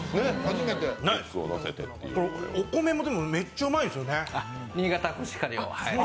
ないです、お米もめっちゃうまいんですよね。